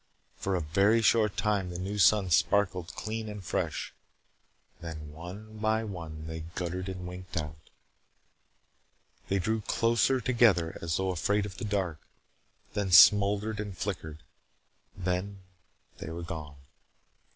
For a very short time the new suns sparkled clean and fresh. Then one by one they guttered and winked out. They drew closer together as though afraid of the dark. Then smoldered and flickered. Then they were gone.